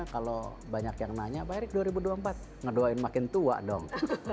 kalau banyak yang nanya pak erick dua ribu dua puluh empat ngedoain makin tua dong